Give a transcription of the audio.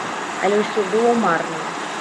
Але ўсё было марна.